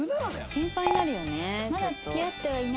「心配になるよね」